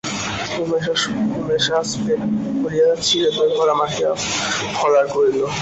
উমেশ আজ পেট ভরিয়া চিঁড়ে দই কলা মাখিয়া ফলার করিল।